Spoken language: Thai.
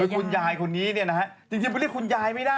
คุณยายคนนี้เนี่ยนะฮะจริงไปเรียกคุณยายไม่ได้